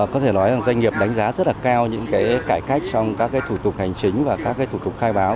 có thể nói rằng doanh nghiệp đánh giá rất là cao những cái cải cách trong các cái thủ tục hành chính và các cái thủ tục khai báo